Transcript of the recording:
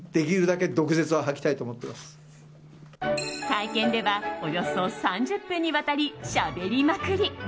会見ではおよそ３０分にわたりしゃべりまくり。